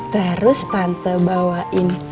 terus tante bawain